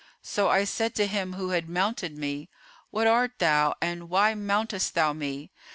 So I said to him who had mounted me, 'What art thou and why mountest thou me?